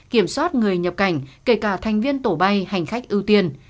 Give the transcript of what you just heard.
kiểm soát người nhập cảnh kể cả thành viên tổ bay hành khách ưu tiên